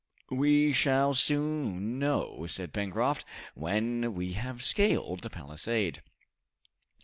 "We shall soon know," said Pencroft, "when we have scaled the palisade."